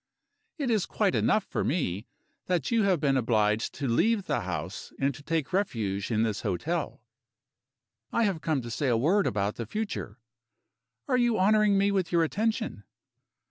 "It is quite enough for me that you have been obliged to leave the house and to take refuge in this hotel. I have come to say a word about the future. Are you honoring me with your attention?"